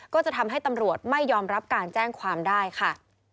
ก็จะทำให้ตำรวจไม่ยอมรับการแจ้งความได้ค่ะ